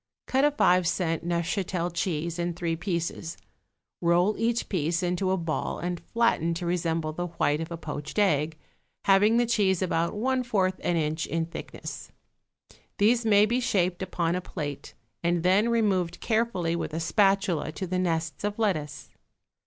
Cut a five cent Neufchatel cheese in three pieces; roll each piece into a ball and flatten to resemble the white of a poached egg, having the cheese about one fourth an inch in thickness. These may be shaped upon a plate and then removed carefully with a spatula to the nests of lettuce.